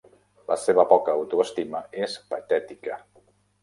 La seva poca autoestima és patètica.